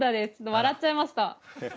笑っちゃいました。